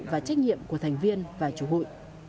và trách nhiệm của thành viên và trụ hụi